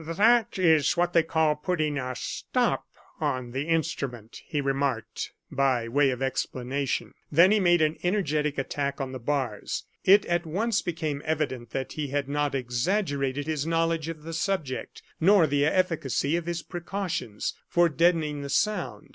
"That is what they call putting a stop on the instrument," he remarked, by way of explanation. Then he made an energetic attack on the bars. It at once became evident that he had not exaggerated his knowledge of the subject, nor the efficacy of his precautions for deadening the sound.